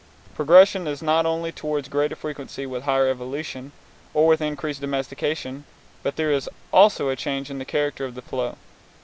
Progression is not only toward greater frequency with higher evolution or with increased domestication, but there is also a change in the character of the flow.